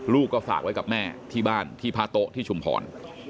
ลูกก็ฝากไว้กับแม่ที่บ้านที่พระโต๊ะที่ชุมพร